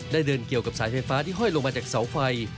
เดินเกี่ยวกับสายไฟฟ้าที่ห้อยลงมาจากเสาไฟ